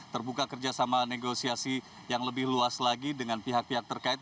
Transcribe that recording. terbuka kerjasama negosiasi yang lebih luas lagi dengan pihak pihak terkait